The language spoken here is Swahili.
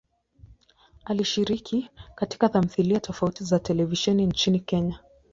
Alishiriki katika tamthilia tofauti za televisheni nchini Kenya.